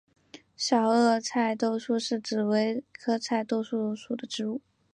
小萼菜豆树是紫葳科菜豆树属的植物。